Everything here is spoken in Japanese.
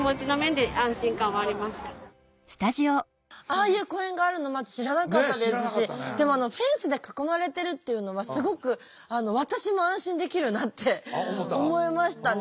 ああいう公園があるのまず知らなかったですしでもフェンスで囲まれてるっていうのはすごく私も安心できるなって思いましたね。